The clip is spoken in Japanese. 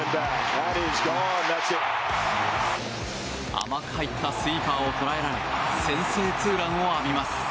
甘く入ったスイーパーを捉えられ先制ツーランを浴びます。